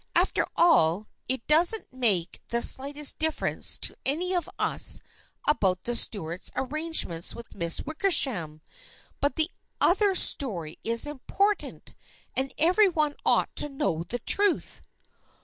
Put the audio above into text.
After all, it doesn't make the slightest difference to any of us about the Stuarts' arrangements with Miss Wickersham, but the other story is important, and every one ought to know the truth."